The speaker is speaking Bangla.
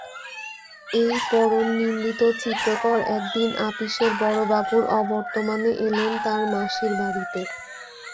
এই পরমনিন্দিত চিত্রকর একদিন আপিসের বড়োবাবুর অবর্তমানে এলেন তাঁর মাসির বাড়িতে।